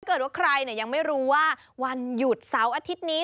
เกิดว่าใครยังไม่รู้ว่าวันหยุดเสาร์อาทิตย์นี้